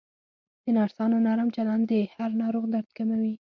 د نرسانو نرم چلند د هر ناروغ درد کموي.